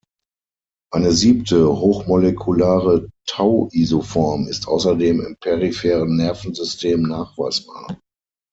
Eine siebte, hochmolekulare Tau-Isoform ist außerdem im peripheren Nervensystem nachweisbar.